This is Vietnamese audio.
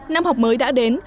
năm học mới đã đến